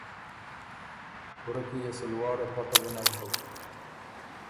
کُورۀ کی يې سو لواړه پته ګۀ نک بُک۔